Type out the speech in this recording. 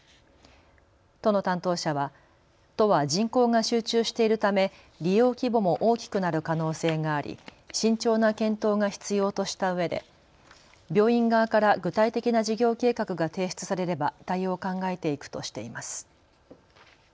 都の担当者は都は人口が集中しているため利用規模も大きくなる可能性があり慎重な検討が必要としたうえで病院側から具体的な事業計画が提出されれば対応を考えていくとしています。